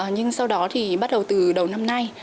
nhưng sau đó bắt đầu từ đầu năm nay